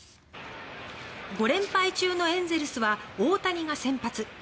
５連敗中のエンゼルスは大谷が先発。